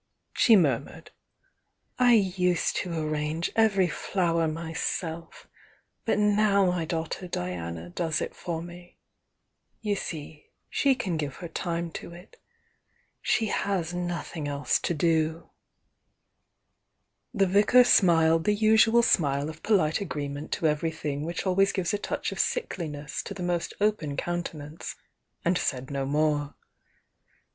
she murmured. "I used to arrange every flower myself, but now my daughter Diana does it for me. You see she can give her time to it, — she has nothing else to do." The vicar smiled the usual smile of polite agree ment to everything which always gives a touch of sickliness to the most open countenance, and said no more.